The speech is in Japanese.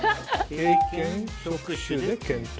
「経験職種で検討」。